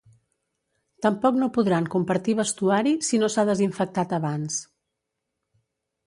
Tampoc no podran compartir vestuari si no s’ha desinfectat abans.